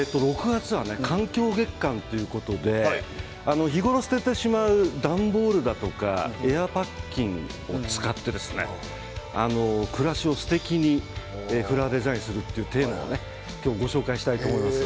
６月は環境月間ということで日頃、捨ててしまう段ボールやエアパッキンを使って暮らしをすてきにフラワーデザインするというテーマをきょうはご紹介します。